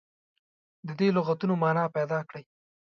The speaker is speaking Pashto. د دې لغتونو معنا پیداکړي.